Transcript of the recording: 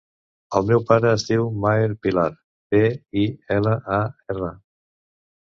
El meu pare es diu Maher Pilar: pe, i, ela, a, erra.